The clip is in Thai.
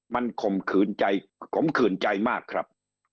มันขมขื่นใจมากครับ